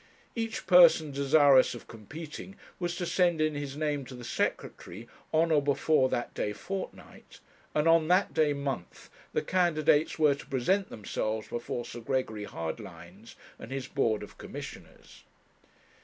Each person desirous of competing was to send in his name to the Secretary, on or before that day fortnight; and on that day month, the candidates were to present themselves before Sir Gregory Hardlines and his board of Commissioners.